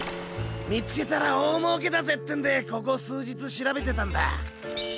みつけたらおおもうけだぜってんでここすうじつしらべてたんだ。